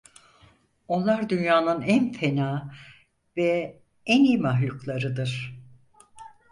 Onlar dünyanın en fena ve en iyi mahluklarıdır.